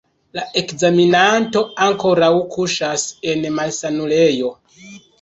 La ekzaminanto ankoraŭ kuŝas en malsanulejo.